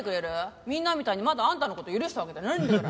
みんなみたいにまだあんたの事許したわけじゃないんだから。